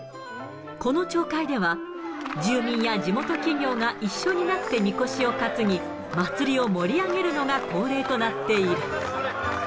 この町会では、住民や地元企業が一緒になってみこしを担ぎ、祭りを盛り上げるのが恒例となっている。